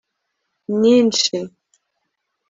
myinshi